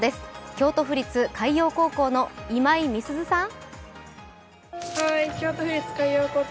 京都府立海洋高等学校の今井未涼さん。